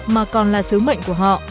mà còn là sứ mệnh của họ